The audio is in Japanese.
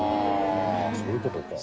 そういう事か。